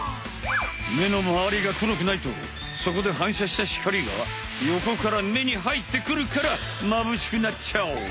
目のまわりが黒くないとそこで反射した光がよこから目に入ってくるからまぶしくなっちゃう。